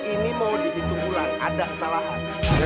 ini mau dihitung ulang ada kesalahan